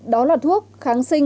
đó là thuốc kháng sinh